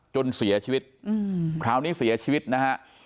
จนเสียชีวิตคราวนี้เสียชีวิตนะฮะ